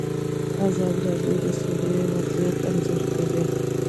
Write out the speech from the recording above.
ازادي راډیو د سوله وضعیت انځور کړی.